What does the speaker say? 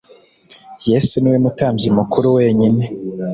yesu ni we mutambyi mukuru wenyine